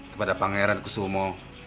kepada pangeran kusumo